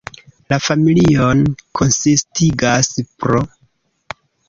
La familion konsistigas pr.